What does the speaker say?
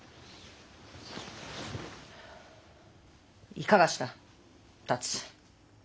いかがした龍。